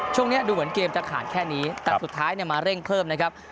ช่วงนี้ดูเหมือนเกมจะขาดแค่นี้แต่สุดท้ายมาเร่งเพิ่มนะครับ